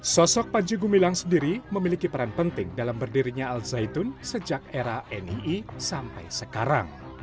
sosok panji gumilang sendiri memiliki peran penting dalam berdirinya al zaitun sejak era nii sampai sekarang